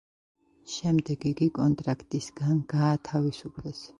შემდეგ იგი კონტრაქტისგან გაათავისუფლეს.